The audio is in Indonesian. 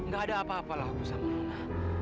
gak ada apa apalah aku sama nona